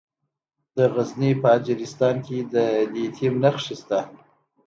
د غزني په اجرستان کې د لیتیم نښې شته.